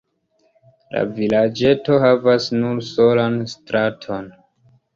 La vilaĝeto havas nur solan straton.